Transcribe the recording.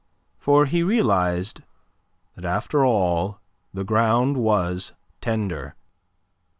For he realized that after all the ground was tender.